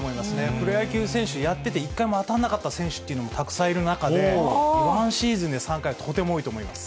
プロ野球選手やってて一回も当たんなかった選手もたくさんいる中で、ワンシーズンで３回はとても多いと思います。